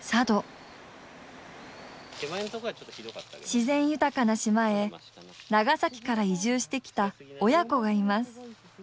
自然豊かな島へ長崎から移住してきた親子がいます。